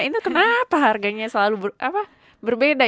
itu kenapa harganya selalu berbeda